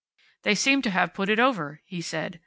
"They seem to have put it over," he said.